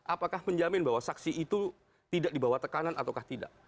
apakah menjamin bahwa saksi itu tidak dibawa tekanan atau tidak